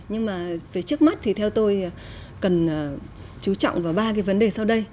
nhưng mà về trước mắt thì theo tôi cần chú trọng vào ba cái vấn đề sau đây